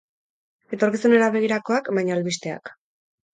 Etorkizunera begirakoak, baina albisteak.